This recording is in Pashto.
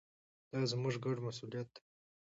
دا زموږ ګډ مسوولیت دی.